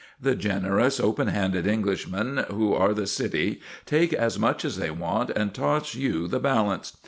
The generous, open handed Englishmen who are the City take as much as they want and toss you the balance.